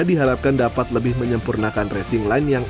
diharapkan dapat lebih menyempurnakan racing line yang